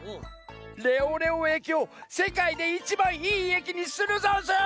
レオレオえきをせかいでいちばんいいえきにするざんす！